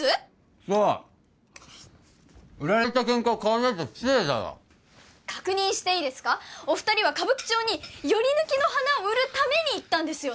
そう売られたケンカは買わないと失礼だろ確認していいですかお二人は歌舞伎町にヨリヌキの花を売るために行ったんですよね？